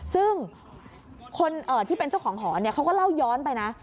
ซึ่งคนที่เป็นเจ้าของหอเขาก็เล่าย้อนไปนะ